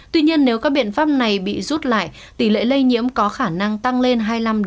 tuy nhiên nếu các biện pháp này bị rút lại tỷ lệ lây nhiễm có khả năng tăng lên hai mươi năm